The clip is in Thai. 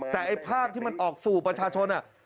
แต่ไอ้ภาพที่มันออกสู่ประชาชน